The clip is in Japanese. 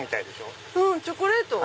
うんチョコレート？